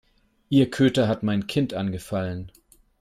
Ihr Köter hat mein Kind angefallen.